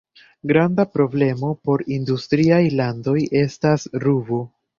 Granda problemo por industriaj landoj estas rubo.